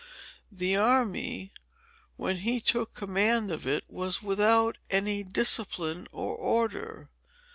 The army, when he took command of it, was without any discipline or order.